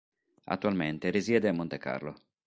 Attualmente risiede a Monte Carlo.